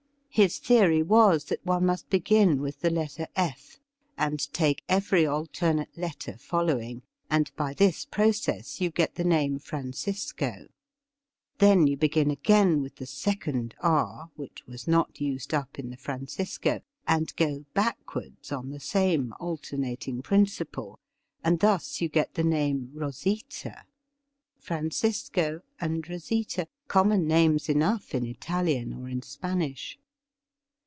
His theory was that one must begin with the letter F, and take every alternate letter following, and by this process you get the name Francisco. Then you begin again with the second R, which was not used up in the ' Francisco,' and go back wards on the same alternating principle, and thus you get the name ' Rosita.' Francisco and Rosita — common names enough in Italian or in Spanish.